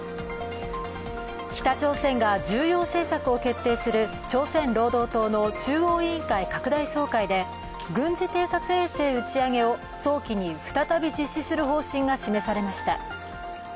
北朝鮮が重要政策を決定する朝鮮労働党の中央委員会拡大総会で軍事偵察衛星打ち上げを早期に再び実施する方針が示されました。